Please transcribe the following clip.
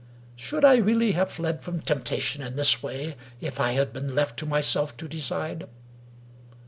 " Should I really have fled from temptation in this way, if I had been left to myself to decide?